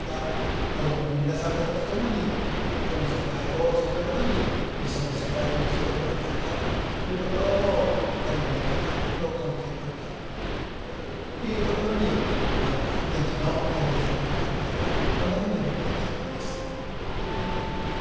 もろともに皆さん方と共にこの世界をそのように理想の世界にしようではないかということを彼の生き方の根底に置いたというところに賢治の賢治たるゆえんがあるんじゃないかとこんなふうに思っているところです。